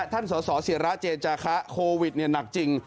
ท่านสอสอเสียระเจนจากค่ะโควิดหนักจริง